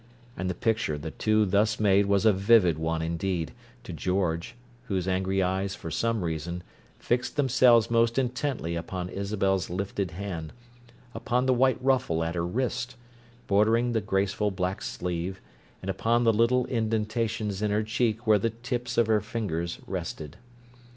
And the picture the two thus made was a vivid one indeed, to George, whose angry eyes, for some reason, fixed themselves most intently upon Isabel's lifted hand, upon the white ruffle at her wrist, bordering the graceful black sleeve, and upon the little indentations in her cheek where the tips of her fingers rested.